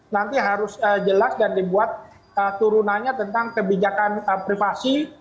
nanti harus jelas dan dibuat turunannya tentang kebijakan privasi